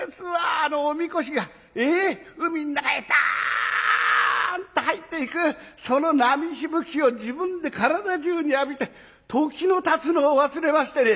あのおみこしが海の中へダッと入っていくその波しぶきを自分で体中に浴びて時のたつのを忘れましてね。